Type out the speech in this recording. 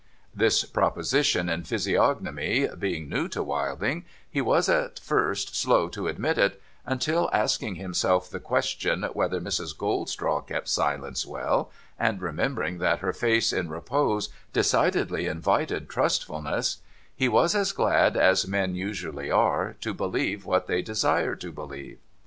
This proposition in Physiognomy being new to Wilding, he was at first slow to admit it, until asking himself the question whether Mrs. Goldstraw kept silence well, and remembering that her face in repose decidedly invited trustfulness, he was as glad as men usually are to believe what they desire to believe.